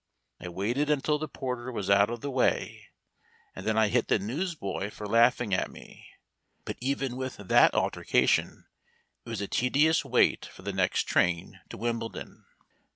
I waited until the porter was out of the way, and then I hit the newsboy for laughing at me, but even with that altercation it was a tedious wait for the next train to Wimbledon.